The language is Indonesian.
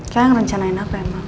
kalian rencanain apa emang